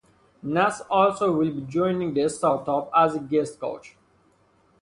Nas also will be joining the startup as a guest coach.